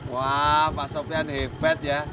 wah pak sopyan hebat ya